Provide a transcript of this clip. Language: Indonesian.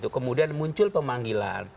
kemudian muncul pemanggilan